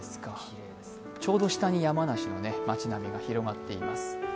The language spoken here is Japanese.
ちょうど下に山梨の町並みが広がっています。